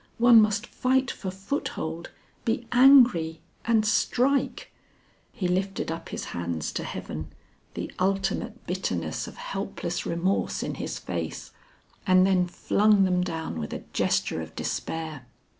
One must fight for foothold, be angry and strike " He lifted up his hands to Heaven, the ultimate bitterness of helpless remorse in his face, and then flung them down with a gesture of despair.